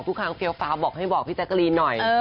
ทุกครั้งเฟี้ยวฟ้าวบอกให้บอกพี่แจ๊กกะรีนหน่อย